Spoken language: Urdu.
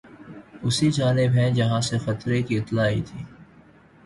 اسی جانب ہیں جہاں سے خطرے کی اطلاع آئی تھی